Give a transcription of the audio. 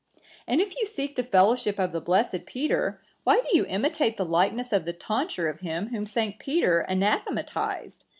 And if you seek the fellowship of the blessed Peter, why do you imitate the likeness of the tonsure of him whom St. Peter anathematized?